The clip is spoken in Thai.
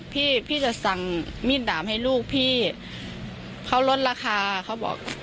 พี่พี่จะสั่งมีดดามให้ลูกพี่เขาลดราคาเขาบอก